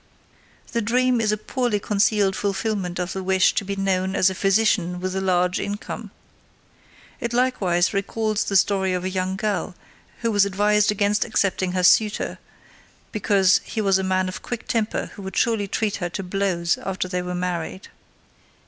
The dream is a poorly concealed fulfillment of the wish to be known as a physician with a large income. It likewise recalls the story of the young girl who was advised against accepting her suitor because he was a man of quick temper who would surely treat her to blows after they were married.